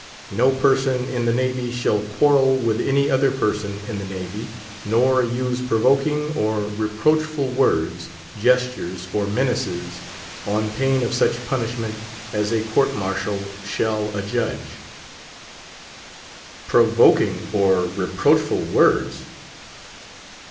"_No person in the Navy shall quarrel with any other person in the Navy, nor use provoking or reproachful words, gestures, or menaces, on pain of such punishment as a court martial shall adjudge_." "_Provoking or reproachful words!